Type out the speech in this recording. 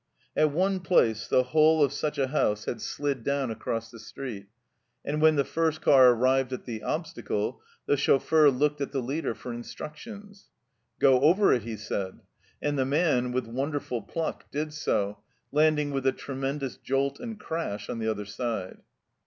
At one place the whole of such a house had slid 92 A HIDEOUS NIGHT DRIVE 93 down across the street, and when the first car arrived at the obstacle the chauffeur looked at the leader for instructions. " Go over it," he said, and the man, with wonderful pluck, did so, landing with a tremendous jolt and crash on the other side.